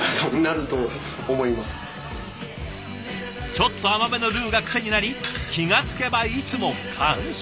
ちょっと甘めのルーが癖になり気が付けばいつも完食。